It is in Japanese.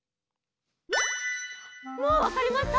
もうわかりました？